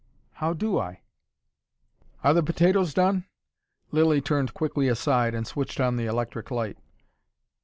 "How do I?" "Are the potatoes done?" Lilly turned quickly aside, and switched on the electric light.